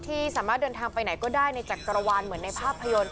ที่สามารถเดินทางไปไหนก็ได้ในจักรวาลเหมือนในภาพยนตร์